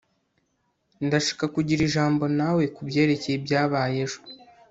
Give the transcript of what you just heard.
ndashaka kugira ijambo nawe kubyerekeye ibyabaye ejo